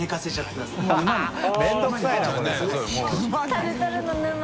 タルタルの沼